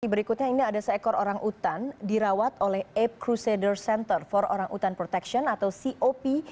berikutnya ini ada seekor orang utan dirawat oleh ape cruisader center for orang utan protection atau cop